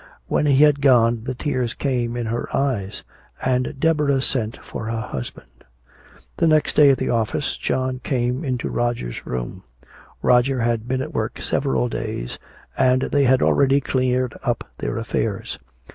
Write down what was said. When he had gone the tears came in her eyes. And Deborah sent for her husband. The next day, at the office, John came into Roger's room. Roger had been at work several days and they had already cleared up their affairs.